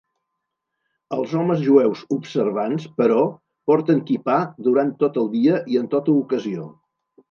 Els homes jueus observants, però, porten quipà durant tot el dia i en tota ocasió.